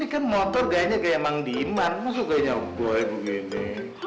ini kan motor kayaknya mang dimar kok kayaknya boy begini